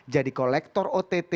jadi kolektor ott